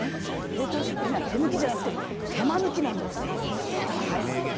冷凍食品は、手抜きではなくて手間抜きなんです。